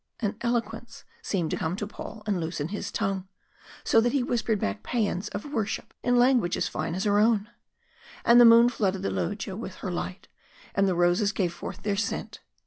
An eloquence seemed to come to Paul and loosen his tongue, so that he whispered back paeans of worship in language as fine as her own. And the moon flooded the loggia with her light, and the roses gave forth their scent.